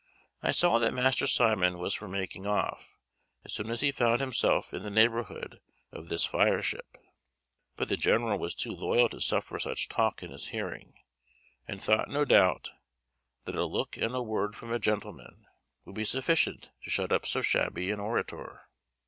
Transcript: I saw that Master Simon was for making off, as soon as he found himself in the neighbourhood of this fireship; but the general was too loyal to suffer such talk in his hearing, and thought, no doubt, that a look and a word from a gentleman would be sufficient to shut up so shabby an orator.